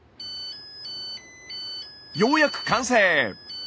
ようやく完成。